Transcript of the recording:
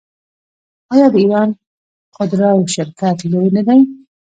آیا د ایران خودرو شرکت لوی نه دی؟